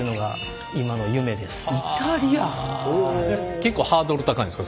結構ハードル高いんですか？